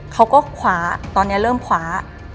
เขาก็คว้าตอนนี้เริ่มคว้า